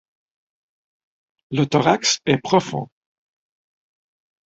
Le thorax est profond.